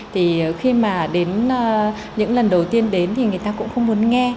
thì khi mà đến những lần đầu tiên đến thì người ta cũng không muốn nghe